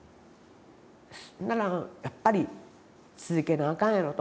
そんならやっぱり続けなあかんやろと。